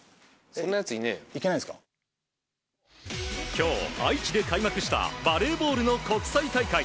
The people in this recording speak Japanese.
今日、愛知で開幕したバレーボールの国際大会。